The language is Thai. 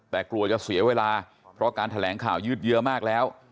แต่กลัวจะเสียเวลาเพราะการแถลงข่าวยืดเยอะมากแล้ว